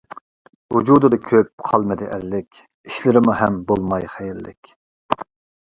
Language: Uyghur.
ۋۇجۇدىدا كۆپ قالمىدى ئەرلىك، ئىشلىرىمۇ ھەم بولماي خەيرلىك.